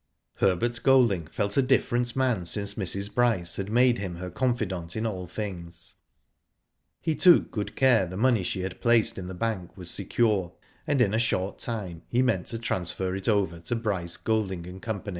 Herbert Golding felt a different man since Mrs. Bryce had made him her confidant in all things. He took good care the money she had placed in the bank was secure, and in a short time he meant to transfer it over to Bryce, Golding, and Co.